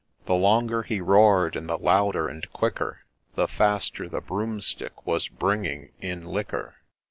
The longer he roar'd, and the louder and quicker, The faster the Broomstick was bringing in liquor.